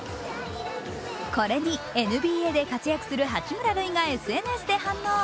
これにＮＢＡで活躍する八村塁が反応。